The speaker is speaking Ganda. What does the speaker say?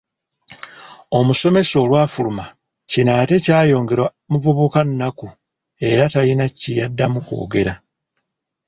Omusomesa olwafuluma Kino ate kyayongera muvubuka nnaku era talina kyeyaddamu kwogera.